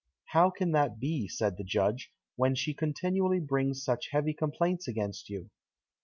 "How can that be," said the judge, "when she continually brings such heavy complaints against you?"